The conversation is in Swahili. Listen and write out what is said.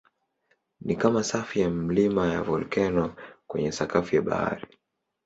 Ni kama safu ya milima ya volkeno kwenye sakafu ya bahari.